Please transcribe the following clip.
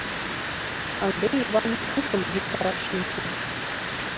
Ынде Иван пушым виктараш шинче.